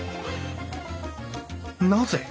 なぜ？